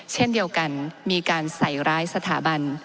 เช่นเดียวกันมีการใส่ร้ายสถาบัน